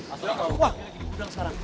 wah dia lagi di gudang sekarang